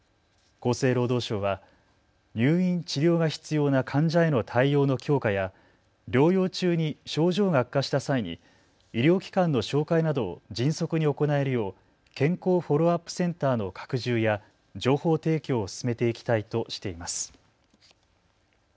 厚生労働省は入院治療が必要な患者への対応の強化や療養中に症状が悪化した際に医療機関の紹介などを迅速に行えるよう健康フォローアップセンターの拡充や情報提供を進めていきたいとしています。